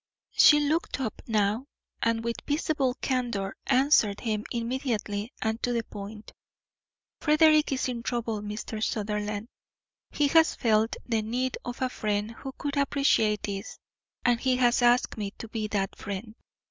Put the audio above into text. She looked up now, and with visible candour answered him immediately and to the point: "Frederick is in trouble, Mr. Sutherland. He has felt the need of a friend who could appreciate this, and he has asked me to be that friend.